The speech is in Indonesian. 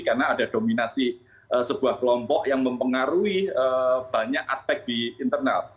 karena ada dominasi sebuah kelompok yang mempengaruhi banyak aspek di internal